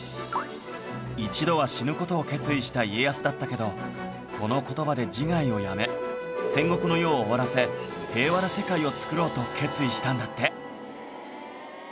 一度は死ぬ事を決意した家康だったけどこの言葉で自害をやめ戦国の世を終わらせ平和な世界を作ろうと決意したんだって